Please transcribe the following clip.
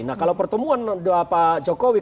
nah kalau pertemuan doa pak jokowi